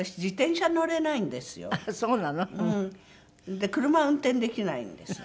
で車運転できないんですよ。